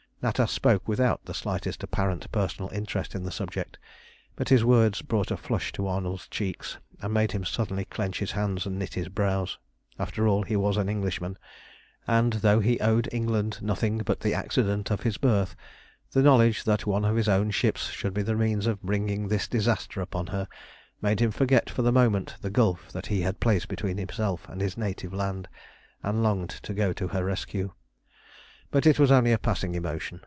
Natas spoke without the slightest apparent personal interest in the subject; but his words brought a flush to Arnold's cheeks, and make him suddenly clench his hands and knit his brows. After all he was an Englishman, and though he owed England nothing but the accident of his birth, the knowledge that one of his own ships should be the means of bringing this disaster upon her made him forget for the moment the gulf that he had placed between himself and his native land, and long to go to her rescue. But it was only a passing emotion.